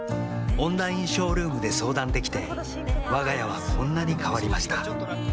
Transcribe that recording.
オンラインショールームで相談できてわが家はこんなに変わりました